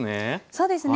そうですね。